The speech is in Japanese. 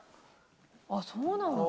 あっそうなんだ。